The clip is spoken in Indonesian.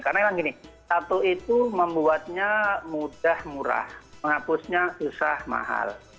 karena yang gini tato itu membuatnya mudah murah menghapusnya susah mahal